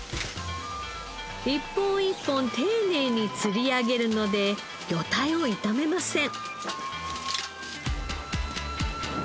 一本一本丁寧に釣り上げるので魚体を傷めません。